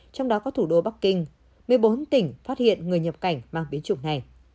trong đó có thủ đô bắc kinh một mươi bốn tỉnh phát hiện người nhập cảnh mang biến chủng này